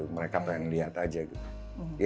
mereka pengen lihat aja gitu